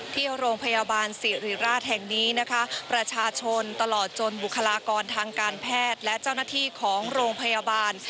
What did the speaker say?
ที่โรงพยาบาลสิริราชแห่งนี้นะคะประชาชนตลอดจนบุคลากรทางการแพทย์และเจ้าหน้าที่ของโรงพยาบาล